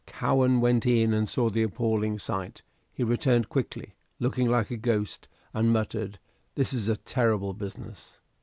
Cowen went in and saw the appalling sight. He returned quickly, looking like a ghost, and muttered, "This is a terrible business."